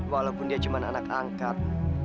walaupun dia cuma anak angkat